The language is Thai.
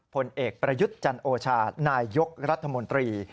ผลเอกประยุทธ์จันโอชานายยกรัฐมนตรี